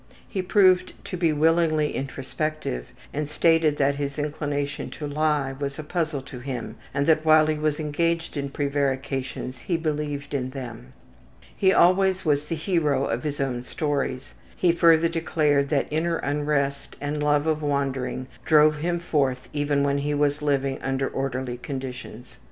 He proved to be willingly introspective and stated that his inclination to lie was a puzzle to him, and that while he was engaged in prevarications he believed in them. He always was the hero of his own stories. He further declared that inner unrest and love of wandering drove him forth even when he was living under orderly conditions.